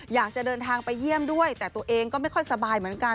อยากจะเดินทางไปเยี่ยมด้วยแต่ตัวเองก็ไม่ค่อยสบายเหมือนกัน